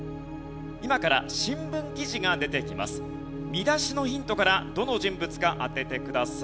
見出しのヒントからどの人物か当ててください。